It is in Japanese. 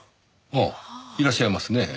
ああいらっしゃいますねぇ。